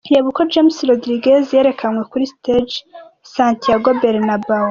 Reba uko James Rodríguez yerekanywe kuri stade Santiago Bernabeu.